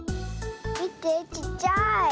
みてちっちゃい。